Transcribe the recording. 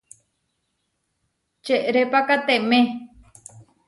Čerepakatemé.